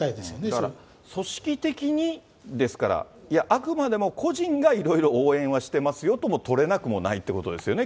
だから組織的にですから、いや、あくまでも個人がいろいろ応援はしてますよと取れなくもないということですよね。